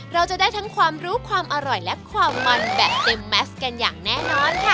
เราจะได้ทั้งความรู้ความอร่อยและความมันแบบเต็มแมสกันอย่างแน่นอนค่ะ